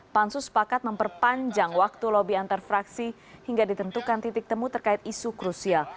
pansus sepakat memperpanjang waktu lobby antar fraksi hingga ditentukan titik temu terkait isu krusial